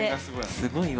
すごいわ。